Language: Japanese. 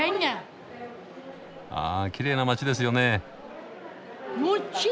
あきれいな街ですよね。